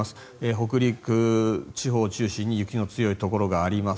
北陸地方中心に雪の強いところがあります。